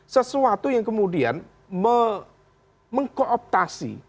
sesuatu yang kemudian mengkooptasi